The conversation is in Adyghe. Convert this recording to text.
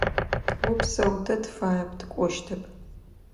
Опсэу, тэ тыфаеп, тыкӏощтэп.